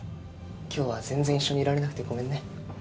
今日は全然一緒にいられなくてごめんね。